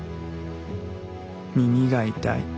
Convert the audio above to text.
耳が痛い。